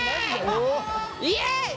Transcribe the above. イエイ！